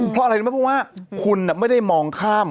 เพราะอะไรไม่เป็นว่าคุณไม่ได้มองข้าม